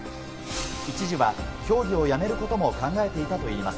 一時は競技をやめることも考えていたといいます。